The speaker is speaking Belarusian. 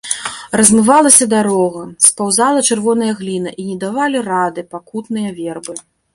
Размывалася дарога, спаўзала чырвоная гліна, і не давалі рады пакутныя вербы.